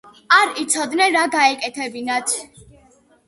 არც იცოდნენ, რა გაეკეთებინათ.